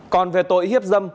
còn về tội hiếp dâm